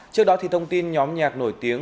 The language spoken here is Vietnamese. trước đó thông tin nhóm nhạc nổi tiếng